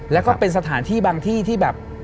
แล้วก็เป็นสถานที่บางที่ที่แบบ